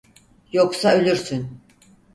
Yoksa ölürsün.